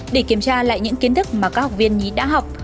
để kiểm tra lại những kiến thức mà các học viên nhí đã học